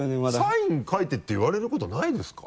サイン書いてって言われることないですか？